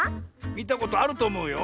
みたことあるとおもうよ。